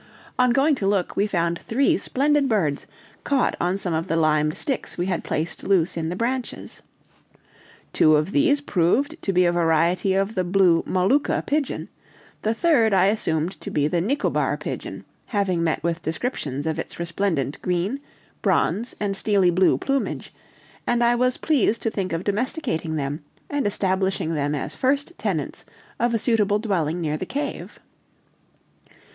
On going to look, we found three splendid birds, caught on some of the limed sticks we had placed loose in the branches. Two of these proved to be a variety of the blue Molucca pigeon; the third I assumed to be the Nicobar pigeon, having met with descriptions of its resplendent green, bronze, and steely blue plumage; and I was pleased to think of domesticating them, and establishing them as first tenants of a suitable dwelling near the cave.